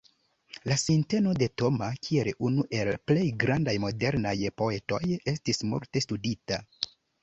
La sinteno de Thomas kiel unu el plej grandaj modernaj poetoj estis multe studita.